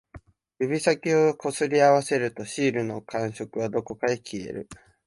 指先を擦り合わせると、シールの感触はどこかに消える